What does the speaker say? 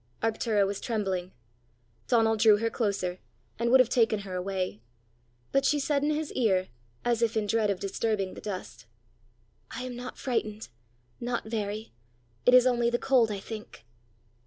Arctura was trembling. Donal drew her closer, and would have taken her away. But she said in his ear, as if in dread of disturbing the dust, "I am not frightened not very. It is only the cold, I think."